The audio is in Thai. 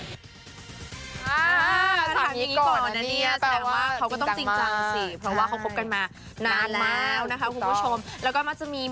อ้าถามอย่างงี้ก่อนนะเนี่ยแสดงว่าเขาก็ต้องจริงจังสิเพราะว่าเขาคบกันมานานแล้วนะครับคุณผู้ชม